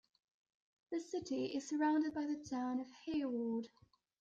The city is surrounded by the Town of Hayward.